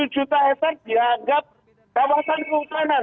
dua tujuh juta hektare dianggap kawasan keutanan